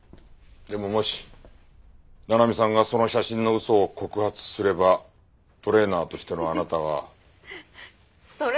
でももし七海さんがその写真の嘘を告発すればトレーナーとしてのあなたは。